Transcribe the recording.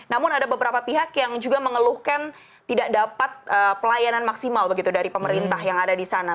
namun ada beberapa pihak yang juga mengeluhkan tidak dapat pelayanan maksimal begitu dari pemerintah yang ada di sana